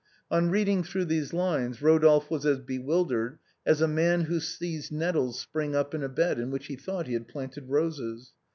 On reading through these lines Ro dolphe was as bewildered as a man who sees nettles spring up in a bed in which he thought he had planted roses.